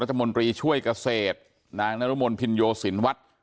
รัฐมนตรีช่วยเกษตรนางนรมนภินโยสินวัฒน์